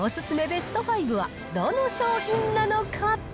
ベスト５はどの商品なのか。